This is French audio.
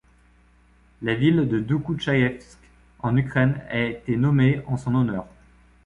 La ville de Dokoutchaïevsk, en Ukraine, a été nommée en son honneur.